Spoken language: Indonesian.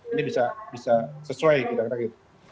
ini bisa sesuai kita kata gitu